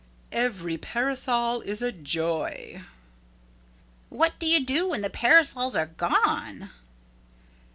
"Every parasol is a joy." "What do you do when the parasols are gone?"